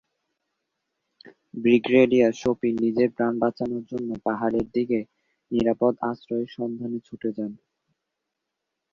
Brigadier Shafi নিজের প্রাণ বাঁচানোর জন্য পাহাড়ের দিকে নিরাপদ আশ্রয়ের সন্ধানে ছুটে যান।